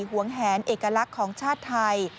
หวงแหนเอกลักษณ์ของชาติไทย